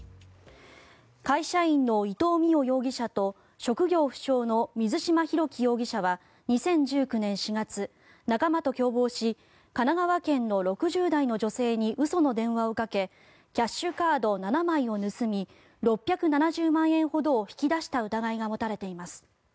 会社員の伊藤澪容疑者と職業不詳の水島博喜容疑者は２０１９年４月、仲間と共謀し神奈川県の６０代の女性に嘘の電話をかけキャッシュカード７枚を盗み６７０万円ほどを引き出した疑いが持たれています。